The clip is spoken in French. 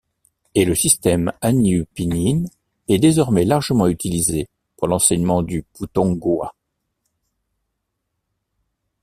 Et le système hanyu pinyin est désormais largement utilisé pour l'enseignement du Putonghua.